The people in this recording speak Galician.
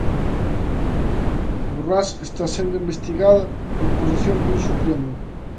Borrás está sendo investigada por corrupción polo Supremo.